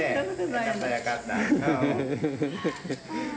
よかったよかった。